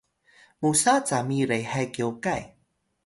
musa cami rehay kyokay